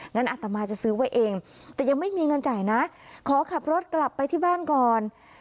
อัตมาจะซื้อไว้เองแต่ยังไม่มีเงินจ่ายนะขอขับรถกลับไปที่บ้านก่อน